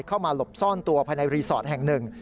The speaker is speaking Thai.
หลบซ่อนตัวภายในรีสอร์ทแห่งหนึ่ง